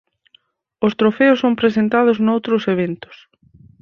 Os trofeos son presentados noutros eventos.